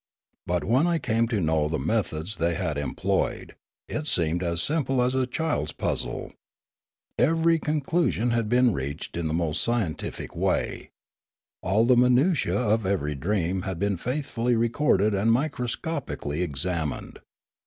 But when I came to know the methods they had employed, it seemed as simple as a child's puzzle. Every conclusion had been reached in 24 Limanora the most scientific way. All the minutiae of every dream had been faithfully recorded and microscopically examined.